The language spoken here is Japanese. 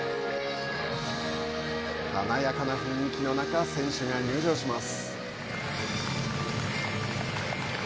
華やかな雰囲気の中、選手が入場します。